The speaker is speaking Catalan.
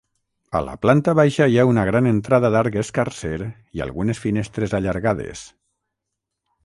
A la planta baixa hi ha una gran entrada d'arc escarser i algunes finestres allargades.